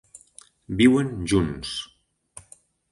Viuen junts.